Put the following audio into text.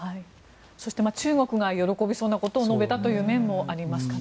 そして中国が喜びそうなことを述べたという面もありますかね。